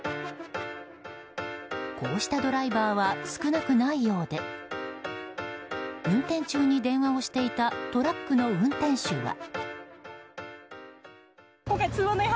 こうしたドライバーは少なくないようで運転中に電話をしていたトラックの運転手は。